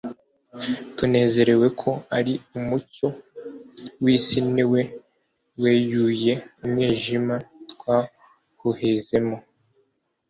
tunezerewe ko ari umcyo w’isi, niwe weyuye umwijima twahohezemo